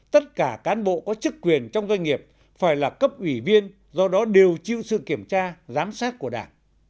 tất cả cán bộ có chức quyền trong doanh nghiệp phải là cấp ủy viên do đó đều chịu sự kiểm tra giám sát của đảng